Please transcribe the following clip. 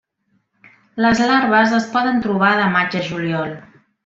Les larves es poden trobar de maig a juliol.